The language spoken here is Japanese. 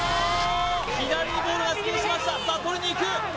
左にボールが出現しましたさあとりにいく！